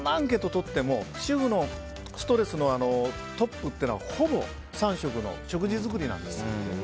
とっても主婦のストレスのトップというのはほぼ３食の食事作りなんです。